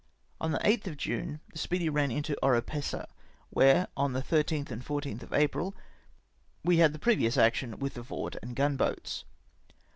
On the 8th of June, the Speedy ran into Oropesa, where, on the loth and 14th of April, we had the previous action with the fort and gun boats.